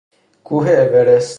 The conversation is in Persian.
کوه اورست